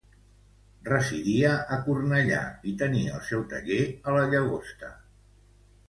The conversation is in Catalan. Residia a Cornellà i tenia el seu taller a La Llagosta.